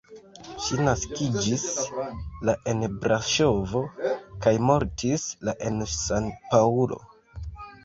Ŝi naskiĝis la en Braŝovo kaj mortis la en San-Paŭlo.